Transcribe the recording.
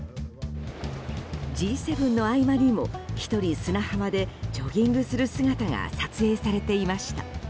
Ｇ７の合間にも１人砂浜でジョギングする姿が撮影されていました。